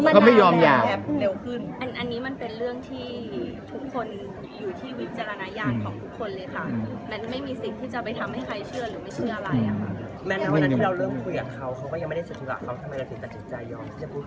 ก็ไม่ได้พูดคุยนะคะไม่ได้พูดคุยจริงจังหรือซึ้ง